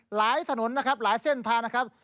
ถนนนะครับหลายเส้นทางนะครับ